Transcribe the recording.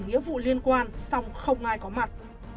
nghĩa vụ liên quan song không ai có mặt